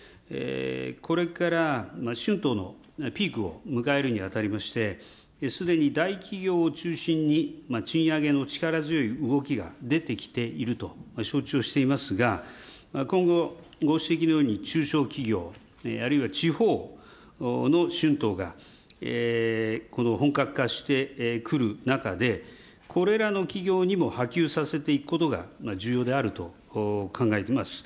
これから、春闘のピークを迎えるにあたりまして、すでに大企業を中心に賃上げの力強い動きが出てきていると承知をしていますが、今後、ご指摘のように中小企業、あるいは地方の春闘が、この本格化してくる中で、これらの企業にも波及させていくことが重要であると考えてます。